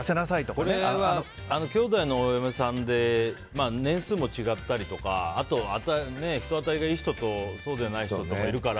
これは兄弟のお嫁さんで年数も違ったりとか人当りがいい人とそうじゃない人とかいるから。